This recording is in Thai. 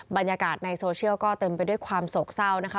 บรรยากาศในโซเชียลก็เต็มไปด้วยความโศกเศร้านะคะ